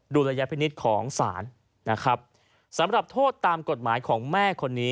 ระยะพินิษฐ์ของศาลนะครับสำหรับโทษตามกฎหมายของแม่คนนี้